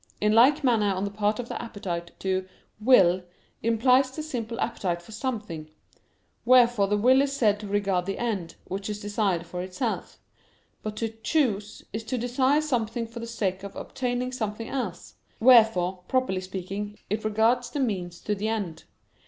In like manner on the part of the appetite to "will" implies the simple appetite for something: wherefore the will is said to regard the end, which is desired for itself. But to "choose" is to desire something for the sake of obtaining something else: wherefore, properly speaking, it regards the means to the end.